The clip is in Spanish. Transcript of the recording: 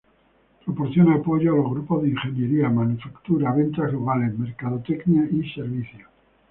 Proporciona apoyo a los grupos de ingeniería, manufactura, ventas globales, mercadotecnia y servicio.